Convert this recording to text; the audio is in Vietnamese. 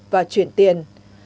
và chuyển tiền